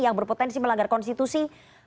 yang berpotensi melanggar konstitusi